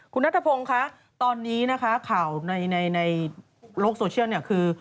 คุณนัฐพงษ์คะตอนนี้ข่าวในโลกโซเชียลคือ